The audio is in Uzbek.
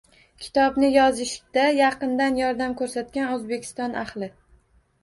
Kitobni yozishda yaqindan yordam ko`rsatgan O`zbekiston ahli